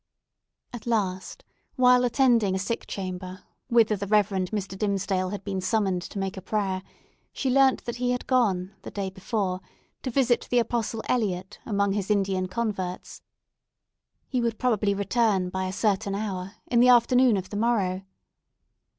At last, while attending a sick chamber, whither the Rev. Mr. Dimmesdale had been summoned to make a prayer, she learnt that he had gone, the day before, to visit the Apostle Eliot, among his Indian converts. He would probably return by a certain hour in the afternoon of the morrow.